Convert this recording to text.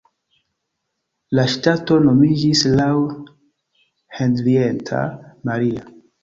La ŝtato nomiĝis laŭ Henrietta Maria.